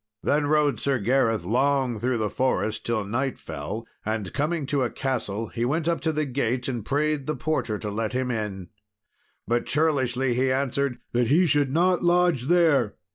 Then rode Sir Gareth long through the forest, till night fell, and coming to a castle he went up to the gate, and prayed the porter to let him in. But churlishly he answered "that he should not lodge there."